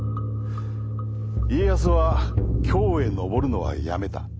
家康は京へ上るのはやめた。